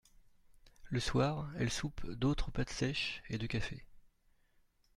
Le soir, elle soupe d'autres pâtes sèches et de café.